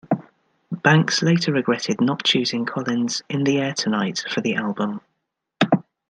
Banks later regretted not choosing Collins' "In the Air Tonight" for the album.